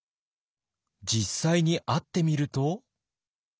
実際に会ってみると。